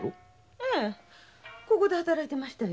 ええここで働いていましたよ。